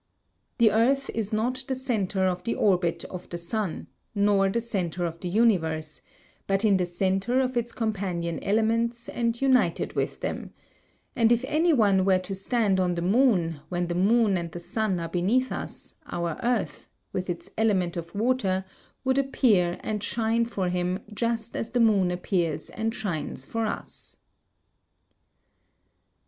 The earth is not the centre of the orbit of the sun, nor the centre of the universe, but in the centre of its companion elements and united with them; and if any one were to stand on the moon when the moon and the sun are beneath us, our earth, with its element of water, would appear and shine for him just as the moon appears and shines for us.